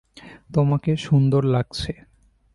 তোমাকে সুন্দর লাগছে!